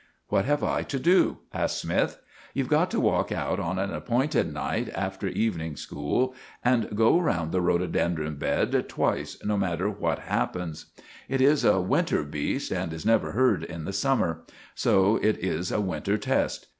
"What have I to do?" asked Smythe. "You've got to walk out on an appointed night, after evening school, and go round the rhododendron bed twice, no matter what happens. It is a winter beast, and is never heard in the summer. So it is a winter test.